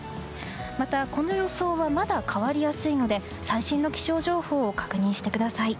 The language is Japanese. またこの予想はまだ変わりやすいので最新の気象情報を確認してください。